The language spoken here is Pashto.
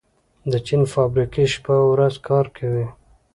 د چین فابریکې شپه او ورځ کار کوي.